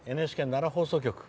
ＮＨＫ奈良放送局。